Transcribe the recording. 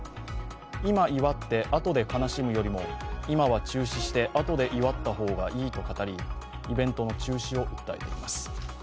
今祝って、あとで悲しむよりも今は中止してあとで祝った方がいいと語り、イベントの中止を訴えています。